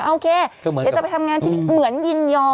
โอเคเดี๋ยวจะไปทำงานที่เหมือนยินยอม